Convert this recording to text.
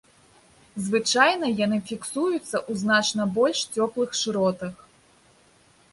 Звычайна яны фіксуюцца ў значна больш цёплых шыротах.